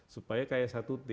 supaya kayak satu tim